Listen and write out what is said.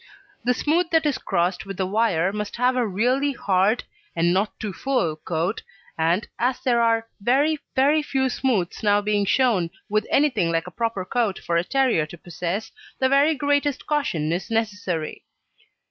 The smooth that is crossed with the wire must have a really hard, and not too full coat, and, as there are very, very few smooths now being shown with anything like a proper coat for a terrier to possess, the very greatest caution is necessary.